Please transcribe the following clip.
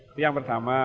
itu yang pertama